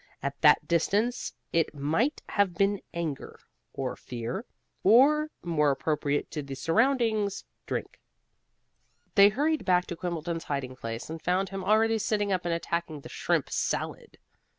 At that distance it might have been anger, or fear, or (more appropriate to the surroundings) drink. They hurried back to Quimbleton's hiding place, and found him already sitting up and attacking the shrimp salad.